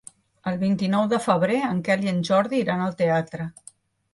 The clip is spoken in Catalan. El vint-i-nou de febrer en Quel i en Jordi iran al teatre.